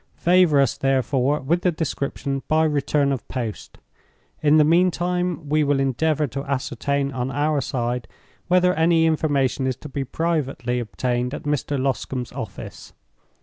Favor us, therefore, with the description by return of post. In the meantime, we will endeavor to ascertain on our side whether any information is to be privately obtained at Mr. Loscombe's office.